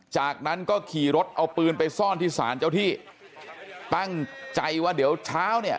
จากนั้นก็ขี่รถเอาปืนไปซ่อนที่ศาลเจ้าที่ตั้งใจว่าเดี๋ยวเช้าเนี่ย